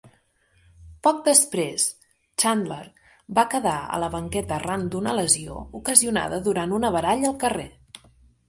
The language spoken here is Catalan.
Poc després, Chandler va quedar a la banqueta arran d'una lesió ocasionada durant una baralla al carrer.